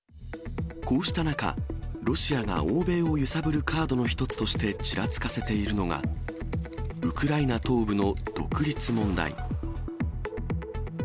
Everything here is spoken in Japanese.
こうした中、ロシアが欧米を揺さぶるカードの一つとしてちらつかせているのが、ウクライナ東部の独立問題。